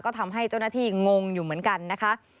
ก็ทำให้เจ้าหน้าที่งงอยู่เหมือนกันนะคะ